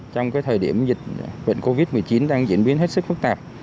trong thời điểm dịch bệnh covid một mươi chín đang diễn biến hết sức phức tạp